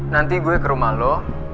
nanti gue ke rumah lo